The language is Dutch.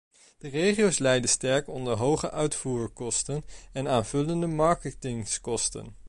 De regio's lijden sterk onder hoge uitvoerkosten en aanvullende marketingkosten.